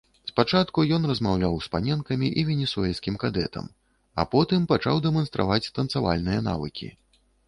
Спачатку ён размаўляў з паненкамі і венесуэльскім кадэтам, а потым пачаў дэманстраваць танцавальныя навыкі.